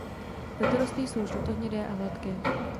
Letorosty jsou žlutohnědé a hladké.